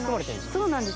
そうなんです。